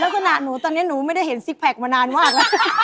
แล้วคณะหนูตอนนี้หนูไม่ได้เห็นซิกแพ็คมานานว่าง